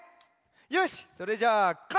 よしそれじゃあかえろう！